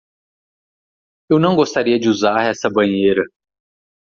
Eu não gostaria de usar essa banheira.